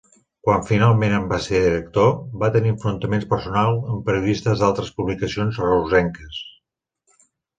Quan finalment en va ser director, va tenir enfrontaments personals amb periodistes d'altres publicacions reusenques.